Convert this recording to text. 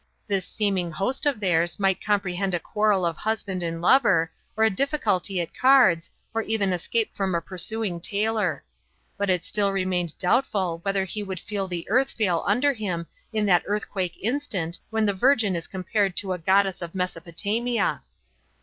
This seeming host of theirs might comprehend a quarrel of husband and lover or a difficulty at cards or even escape from a pursuing tailor; but it still remained doubtful whether he would feel the earth fail under him in that earthquake instant when the Virgin is compared to a goddess of Mesopotamia.